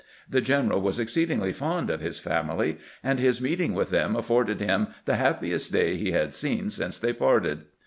The general was exceedingly fond of his family, and his meeting with them afforded him the happiest day he had seen since they parted.